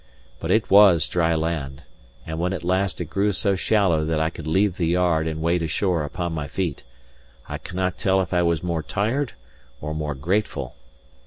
But it was dry land; and when at last it grew so shallow that I could leave the yard and wade ashore upon my feet, I cannot tell if I was more tired or more grateful.